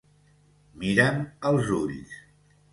Mira'm als ulls.